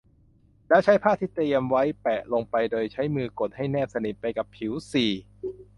แล้วใช้ผ้าที่เตรียมไว้แปะลงไปโดยใช้มือกดให้แนบสนิทไปกับผิว สี่